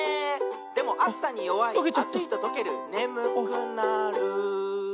「でもあつさによわいあついととけるねむくなる」